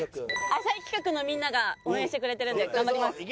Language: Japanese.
浅井企画のみんなが応援してくれてるんで頑張ります。